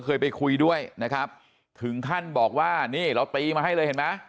เคยไปคุยด้วยนะครับถึงขั้นบอกว่านี่เราตีมาให้เลยเห็นไหม